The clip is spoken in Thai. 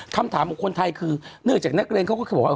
คำถามของคนไทยคือเนื่องจากนักเรียนเขาก็เคยบอกว่า